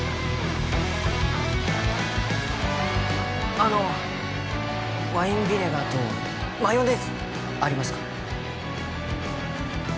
あのワインビネガーとマヨネーズありますか？